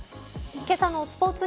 けさのスポーツ